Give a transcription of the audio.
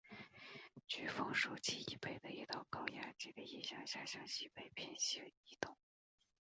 飓风受其以北的一道高压脊的影响下向西北偏西移动。